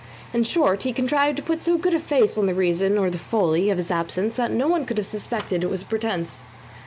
In short he contrived to put so good a face on the reason, or the folly, of his absence that no one could have suspected it was a pretence.